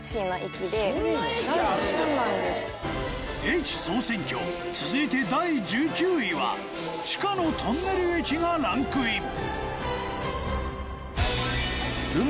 『駅総選挙』続いて第１９位は地下のトンネル駅がランクイン。